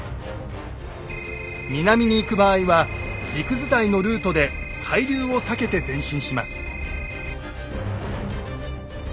南に行く場合は陸伝いのルートで海流を避けて前進します。